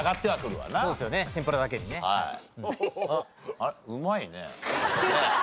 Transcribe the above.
あれっうまいね。